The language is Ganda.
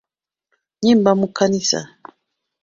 Nnyimba mu kkanisa.